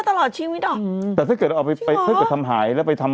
ของพี่ได้เป็นตลอดชีวิต